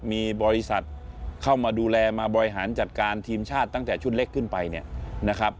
มีบริษัทเข้ามาดูแลมาบริหารจัดการทีมชาติตั้งแต่ชุดเล็กขึ้นไปเนี่ยนะครับ